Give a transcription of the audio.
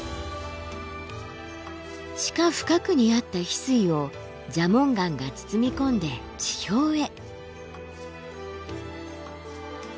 地下深くにあった翡翠を蛇紋岩が包み込んで地表へ。